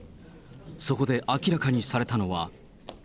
そこで明らかにされたのは。